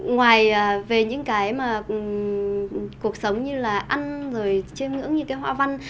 ngoài về những cái mà cuộc sống như là ăn rồi chêm ngưỡng những cái hòa văn